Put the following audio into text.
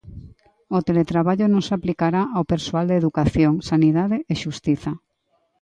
O teletraballo non se aplicará ao persoal de Educación, Sanidade e Xustiza.